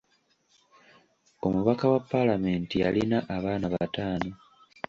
Omubaka wa palamenti yalina abaana bataano.